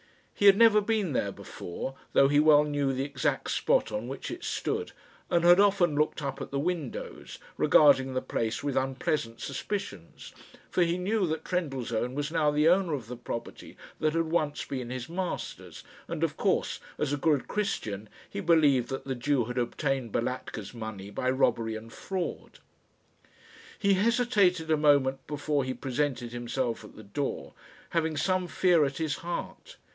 He had never been there before, though he well knew the exact spot on which it stood, and had often looked up at the windows, regarding the place with unpleasant suspicions; for he knew that Trendellsohn was now the owner of the property that had once been his master's, and, of course, as a good Christian, he believed that the Jew had obtained Balatka's money by robbery and fraud. He hesitated a moment before he presented himself at the door, having some fear at his heart.